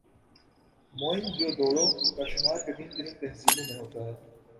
موئن جو دڑو کا شمار قدیم ترین تہذیبوں میں ہوتا ہے